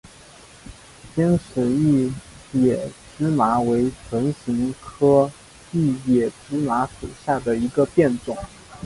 尖齿异野芝麻为唇形科异野芝麻属下的一个变种。